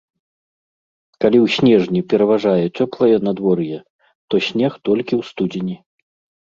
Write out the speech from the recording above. Калі ў снежні пераважае цёплае надвор'е, то снег толькі ў студзені.